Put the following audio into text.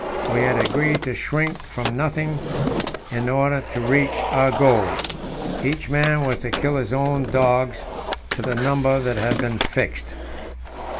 We had agreed to shrink from nothing in order to reach our goal. Each man was to kill his own dogs to the number that had been fixed.